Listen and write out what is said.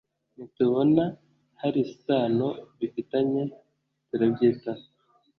nitubona hari isano bifitanye turabyitaho